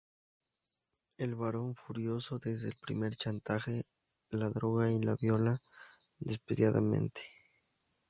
El Barón, furioso desde el primer chantaje, la droga y la viola despiadadamente.